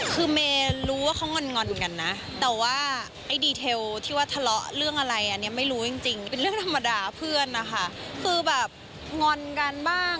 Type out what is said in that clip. คือเมรู้ว่าเขางอนกันนะ